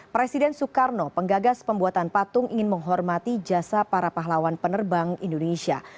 presiden soekarno penggagas pembuatan patung ingin menghormati jasa para pahlawan penerbang indonesia